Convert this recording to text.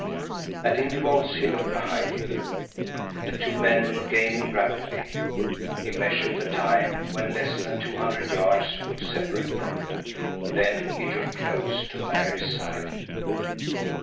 At intervals he looked behind him. The two men were gaining rapidly. He measured the time when less than two hundred yards would separate them. Then he drew close to Mary's side.